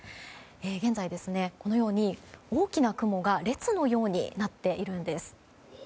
現在、大きな雲が列のようになっているんです。